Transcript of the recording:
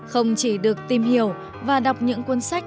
không chỉ được tìm hiểu và đọc những cuốn sách